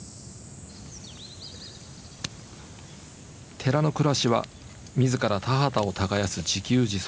寺の暮らしは自ら田畑を耕す自給自足。